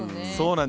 そう。